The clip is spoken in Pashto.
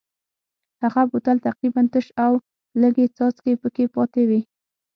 هغه بوتل تقریبا تش و او لږې څاڅکې پکې پاتې وې.